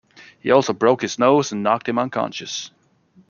He also broke his nose and knocked him unconscious.